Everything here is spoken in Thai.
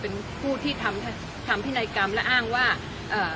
เป็นผู้ที่ทำทำพินัยกรรมและอ้างว่าเอ่อ